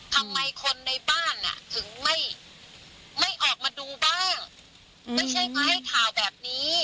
ทำไมคนในบ้านอ่ะถึงไม่ไม่ออกมาดูบ้างไม่ใช่ก็ให้ข่าวแบบนี้